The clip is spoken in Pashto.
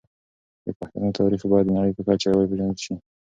د پښتنو تاريخ بايد د نړۍ په کچه وپېژندل شي.